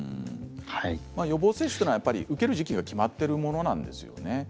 予防接種は受ける時期が決まっているものなんですよね。